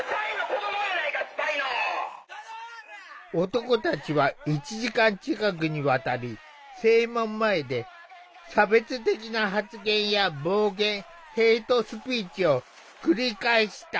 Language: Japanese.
男たちは１時間近くにわたり正門前で差別的な発言や暴言ヘイトスピーチを繰り返した。